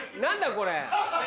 これ。